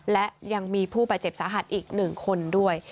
และยังมีผู้บาดเจ็บสาหัสอีก๑คนด้วย